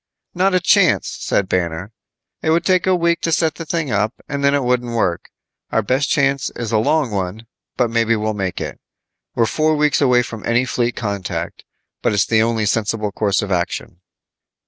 "Not a chance," said Banner. It would take a week to set the thing up, and then it wouldn't work. Our best chance is a long one, but maybe we'll make it. We're four weeks away from any fleet contact, but it's the only sensible course of action."